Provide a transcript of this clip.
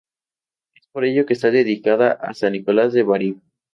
Es por ello que está dedicada a San Nicolás de Bari.